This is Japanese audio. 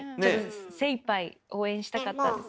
精いっぱい応援したかったんです。